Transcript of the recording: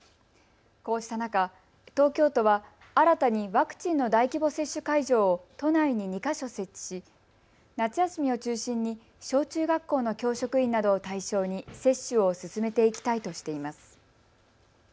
こうした中、東京都は新たにワクチンの大規模接種会場を都内に２か所設置し夏休みを中心に小中学校の教職員などを対象に接種を進めていきたいとしています。